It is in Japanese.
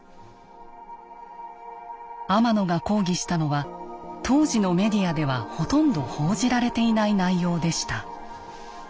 天野が講義したのは当時のメディアではほとんど報じられていない内容でした。